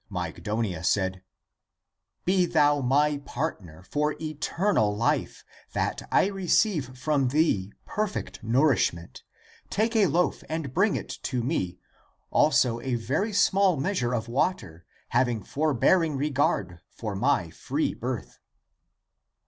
" Mygdonia said, " Be thou my partner for eternal life, that I receive from thee perfect nourishment. Take a loaf and bring it to me, also a very small measure of water, having forbearing regard for my free birth."